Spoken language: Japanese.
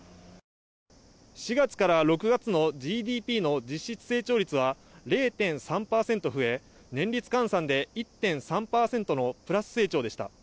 ４月から６月のＧＤＰの実質成長率は０．３％増え、年率換算で１．３％のプラス成長でした。